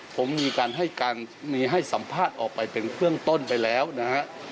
ผมมีการให้การมีให้สัมภาษณ์ออกไปเป็นเครื่องต้นไปแล้วนะฮะ